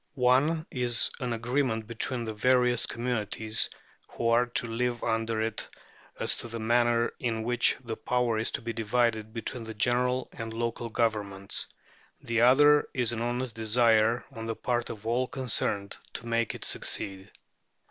One is an agreement between the various communities who are to live under it as to the manner in which the power is to be divided between the general and local governments; the other is an honest desire on the part of all concerned to make it succeed.